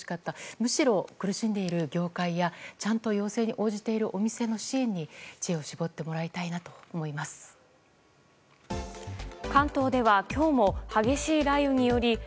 むしろ苦しんでいる業界やちゃんと要請に応じているお店の支援に知恵を絞ってもらいたいと思います。